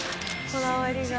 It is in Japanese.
こだわりが。